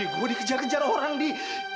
gue dikejar kejar orang di